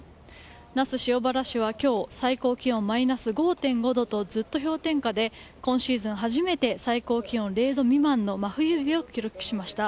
那須塩原市は今日最高気温マイナス５．５度とずっと氷点下で今シーズン初めて最高気温０度未満の真冬日を記録しました。